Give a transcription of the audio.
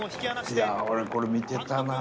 いや俺これ見てたな。